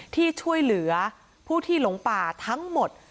ที่ช่วยเหลือผู้ที่หลงป่าทั้งหมด